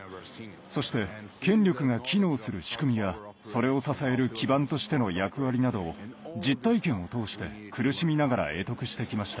そして権力が機能する仕組みやそれを支える基盤としての役割などを実体験を通して苦しみながら会得してきました。